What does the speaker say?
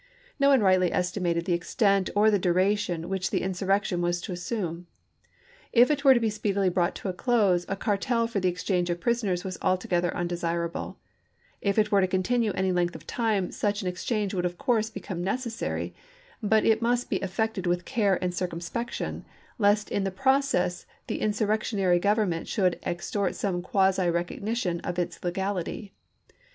No one rightly estimated the extent or the duration which the insurrection was to assume. If it were to be speedily brought to a close a cartel for the exchange of prisoners was altogether undesirable ; if it were to continue any length of time such an exchange would of course become necessary, but it must be effected with care and circumspection, lest in the process the insurrectionary government should extort some quasi recognition of its legal ity.